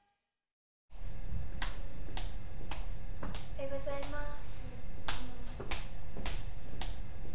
おはようございます。